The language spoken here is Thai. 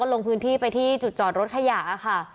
ลงพื้นที่ไปที่จุดจอดรถขยะค่ะ